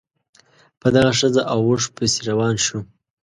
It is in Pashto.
په دغه ښځه او اوښ پسې روان شو.